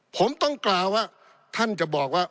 ผมต้องกล่าวว่าท่านจะบอกว่า